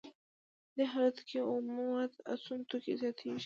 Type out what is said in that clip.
په دې حالت کې اومه مواد او سون توکي زیاتېږي